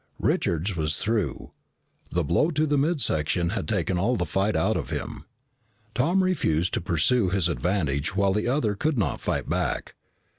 Richards was through. The blow to the mid section had taken all the fight out of him. Tom refused to pursue his advantage while the other could not fight back.